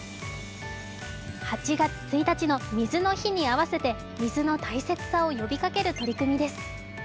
８月１日の水の日に合わせて水の大切さを呼びかける取り組みです。